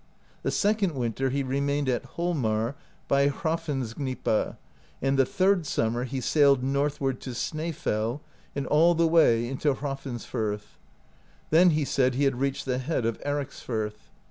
The second winter he remained at Holmar by Hrafnsgnipa, and the third summer he sailed northward to Snsefell, and all the w^ay into Hrafnsfirth; then he said he had reached the head of Ericsfirth.